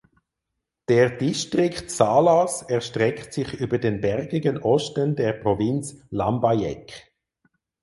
Der Distrikt Salas erstreckt sich über den bergigen Osten der Provinz Lambayeque.